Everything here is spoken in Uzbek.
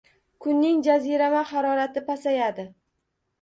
Kunning jazirama harorati pasayadi.